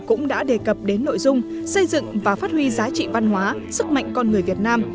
cũng đã đề cập đến nội dung xây dựng và phát huy giá trị văn hóa sức mạnh con người việt nam